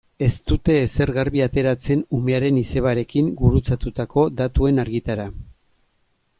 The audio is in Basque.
Ez dute ezer garbi ateratzen umearen izebarekin gurutzatutako datuen argitara.